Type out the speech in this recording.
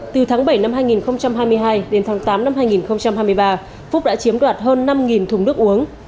từ tháng bảy năm hai nghìn hai mươi hai đến tháng tám năm hai nghìn hai mươi ba phúc đã chiếm đoạt hơn năm thùng nước uống